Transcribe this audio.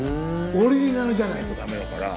オリジナルじゃないとダメだから。